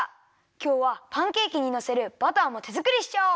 きょうはパンケーキにのせるバターもてづくりしちゃおう！